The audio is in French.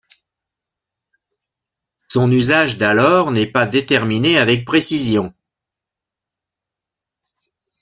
Son usage d’alors n’est pas déterminé avec précision.